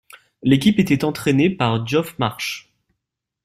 L'équipe était entraînée par Geoff Marsh.